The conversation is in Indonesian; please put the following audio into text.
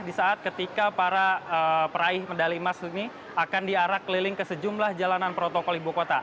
di saat ketika para peraih medali emas ini akan diarak keliling ke sejumlah jalanan protokol ibu kota